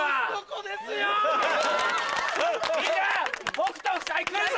北斗夫妻来るぞ！